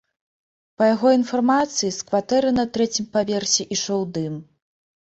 Па яго інфармацыі, з кватэры на трэцім паверсе ішоў дым.